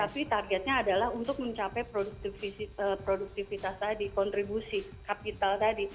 tapi targetnya adalah untuk mencapai produktivitas tadi kontribusi kapital tadi